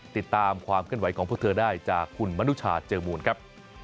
ติดตามความเคลื่อนไหวของพวกเธอได้จากคุณมนุชาเจอมูลครับ